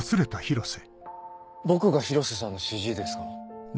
僕が広瀬さんの主治医ですか？